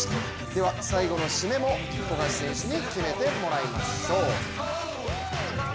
では最後の締めも富樫選手に決めてもらいましょう。